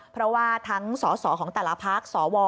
เพราะว่าทั้งสสของแต่ละพักสว